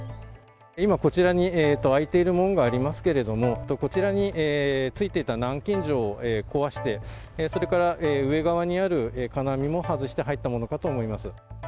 今、こちらに開いている門がありますけれども、こちらについていた南京錠を壊して、それから上側にある金網も外して入ったものかと思います。